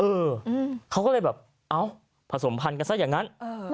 เออเขาก็เลยแบบเอ้าผสมพันธุ์กันซะอย่างนั้น